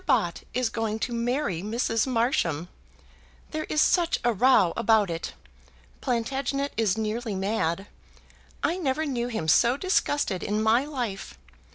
Bott is going to marry Mrs. Marsham. There is such a row about it. Plantagenet is nearly mad. I never knew him so disgusted in my life.